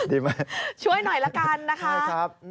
ดีมายช่วยหน่อยล่ะกันนะคะค่ะครับ